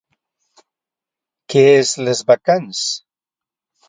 Què és Les bacants?